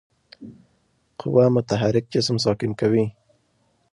قوه متحرک جسم ساکن کوي.